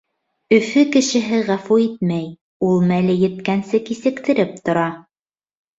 Өфө кешеһе ғәфү итмәй, ул мәле еткәнсе кисектереп тора.